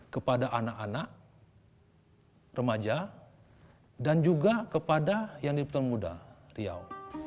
kepada anak anak remaja dan juga kepada yang di putar muda riau